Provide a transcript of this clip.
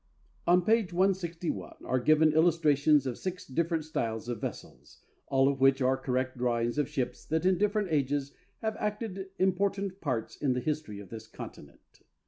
On page 161 are given illustrations of six different styles of vessels, all of which are correct drawings of ships that in different ages have acted important parts in the history of this continent.